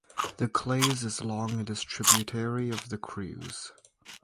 The Claise is long and is a tributary of the Creuse.